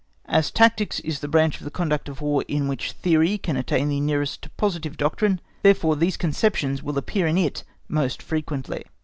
As tactics is the branch of the conduct of War in which theory can attain the nearest to positive doctrine, therefore these conceptions will appear in it most frequently.